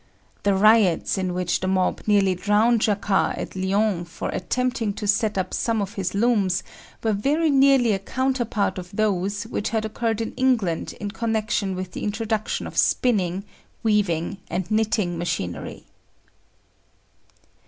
The riots in which the mob nearly drowned Jacquard at Lyons for attempting to set up some of his looms were very nearly a counterpart of those which had occurred in England in connection with the introduction of spinning, weaving and knitting machinery.